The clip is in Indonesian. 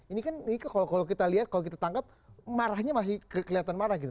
ini kan kalau kita lihat kalau kita tangkap marahnya masih kelihatan marah gitu